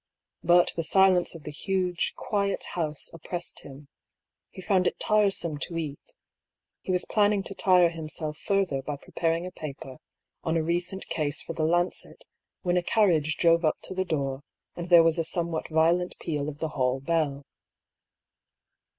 But the silence of the huge, quiet house oppressed him. He found it tiresome to eat. He was planning to tire himself further by pre paring a paper on a recent case for the Lancet when a carriage drove up to the door, and there was a somewhat violent peal of the hall bell.